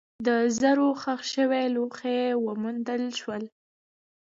د زرو ښخ شوي لوښي وموندل شول.